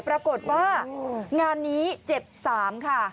ปรากฏว่างานนี้เจ็บ๓ค่ะ